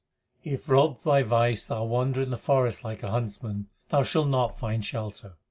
If robbed by vice thou wander in the forest like a huntsman, thou shalt not find shelter.